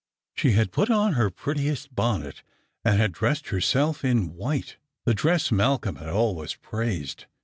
She had put on her prettiest bonnet, and had dressed herself in white; the dress Malcolm had always praised.